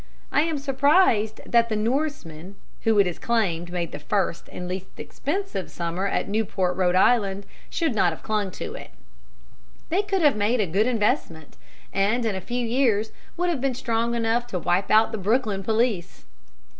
I am surprised that the Norsemen, who it is claimed made the first and least expensive summer at Newport, R. I., should not have clung to it. [Illustration: CHEAPEST NEWPORT SEASON.] They could have made a good investment, and in a few years would have been strong enough to wipe out the Brooklyn police.